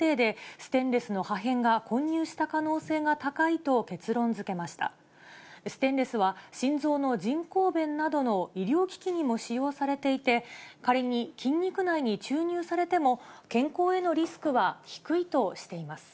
ステンレスは心臓の人工弁などの医療機器にも使用されていて、仮に筋肉内に注入されても、健康へのリスクは低いとしています。